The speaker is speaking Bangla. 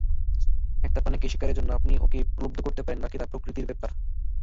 একটা প্রাণীকে শিকারের জন্য আপনি ওকে প্রলুব্ধ করতে পারেন, বাকিটা প্রকৃতির ব্যাপার।